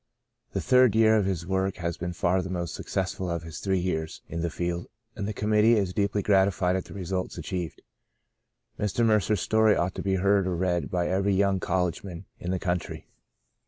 The third year of his work has been far the most successful of his three years in the field, and the committee is deeply gratified at the results achieved.'* Mr. Mercer's story ought to be heard or read by every young college man in the country.